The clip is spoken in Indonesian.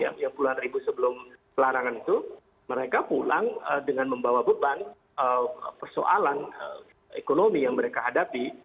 yang puluhan ribu sebelum pelarangan itu mereka pulang dengan membawa beban persoalan ekonomi yang mereka hadapi